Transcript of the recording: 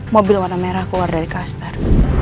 mobil warna merah keluar dari kaster